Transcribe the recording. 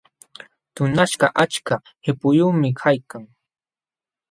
Tunaśhkaq achka qipuyuqmi kaykan.